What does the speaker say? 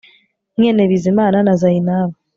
mwene BIZIMANA na ZAINABO